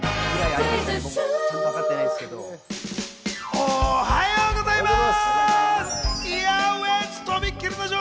おはようございます。